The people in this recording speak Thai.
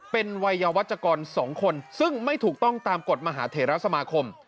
เป็นวัยวัชกร๒คนซึ่งไม่ถูกต้องตามกฎมหาเถระสมาคม